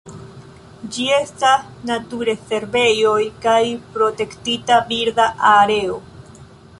Ĝi estas naturrezervejo kaj Protektita birda areo.